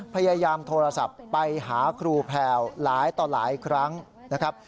พยายามโทรศัพท์ไปหาครูแพลวหลายต่อหลายครั้งนะครับ